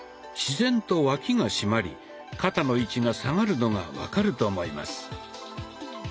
自然と脇がしまり肩の位置が下がるのが分かると思います。